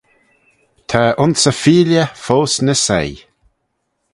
Ta ayns y Pheeley foast ny soie.